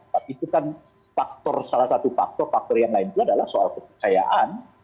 tapi itu kan faktor salah satu faktor faktor yang lain itu adalah soal kepercayaan